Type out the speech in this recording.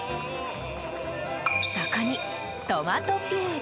そこに、トマトピューレ。